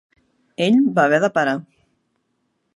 Ell va haver de parar